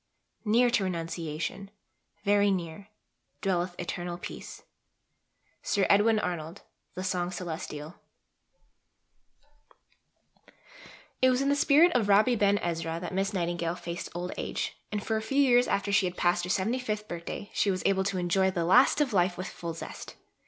Near to renunciation very near Dwelleth Eternal Peace. SIR EDWIN ARNOLD: The Song Celestial. It was in the spirit of Rabbi Ben Ezra that Miss Nightingale faced old age, and for a few years after she had passed her 75th birthday she was able to enjoy "the last of life" with full zest.